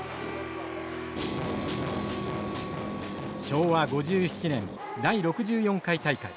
昭和５７年第６４回大会。